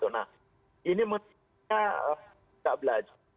nah ini menurut saya kita belajar